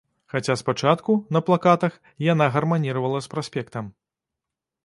Хаця спачатку, на плакатах, яна гарманіравала з праспектам.